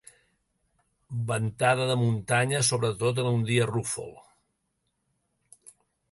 Ventada de muntanya, sobretot en un dia rúfol.